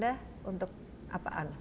bagi anda untuk apaan